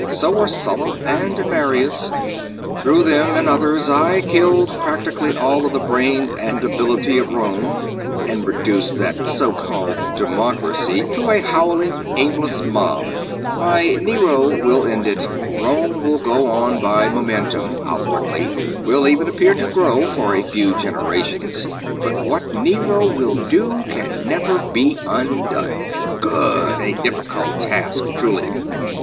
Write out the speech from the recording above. So were both Sulla and Marius. Through them and others I killed practically all of the brains and ability of Rome, and reduced that so called 'democracy' to a howling, aimless mob. My Nero will end it. Rome will go on by momentum outwardly, will even appear to grow for a few generations, but what Nero will do can never be undone." "Good. A difficult task, truly."